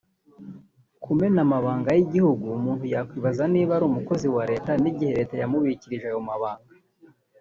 Kumena amabanga y’igihugu (umuntu yakwibaza niba ari umukozi wa Leta n’igihe Leta yamubikije ayo mabanga